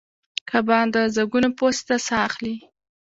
کبان د زګونو په واسطه ساه اخلي